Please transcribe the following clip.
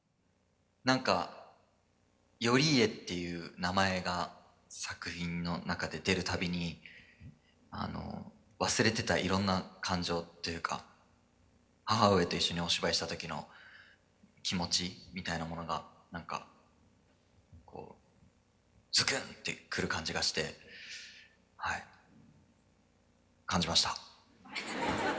「何か頼家っていう名前が作品の中で出る度にあの忘れてたいろんな感情というか母上と一緒にお芝居した時の気持ちみたいなものが何かこうズクンって来る感じがしてはい感じました」。